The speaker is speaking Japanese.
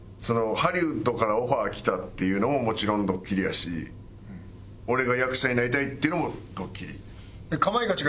そのハリウッドからオファー来たっていうのももちろんドッキリやし俺が役者になりたいっていうのもドッキリ。